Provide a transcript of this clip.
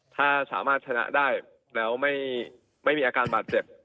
ถ้าสามารถชนะได้แล้วไม่มีอาการบาดเจ็บ